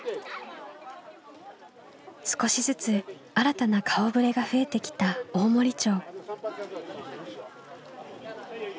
少しずつ新たな顔ぶれが増えてきた大森町。